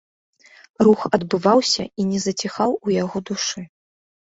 Рух адбываўся і не заціхаў у яго душы.